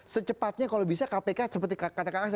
secepatnya kalau bisa kpk seperti katakan